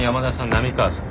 波川さん